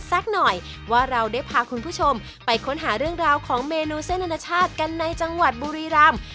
สักหน่อยว่าเราได้พาคุณผู้ชมไปค้นหาเรื่องราวของเมนูเส้นอนาชาติกันในจังหวัดบุรีรำ